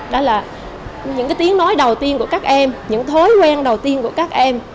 đó là những cái tiếng nói đầu tiên của các em những thói quen đầu tiên của các em